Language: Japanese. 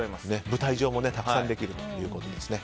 舞台場もたくさんできるということですね。